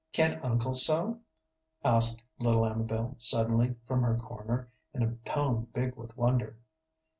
"Can uncle sew?" asked little Amabel, suddenly, from her corner, in a tone big with wonder.